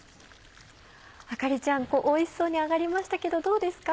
あかりちゃんおいしそうに揚がりましたけどどうですか？